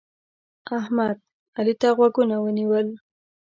احمد؛ علي ته غوږونه ونیول.